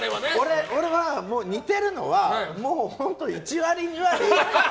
俺は似てるのは１割、２割。